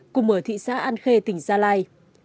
cùng ở thị xã an khê tỉnh gia lai